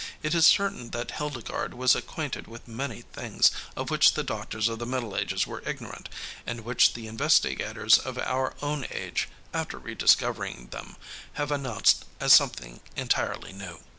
It is certain that Hildegard was acquainted with many things of which the doctors of the Middle Ages were ignorant, and which the investigators of our own age, after rediscovering them, have announced as something entirely new."